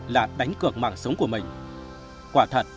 là đánh cược mạng sống của mình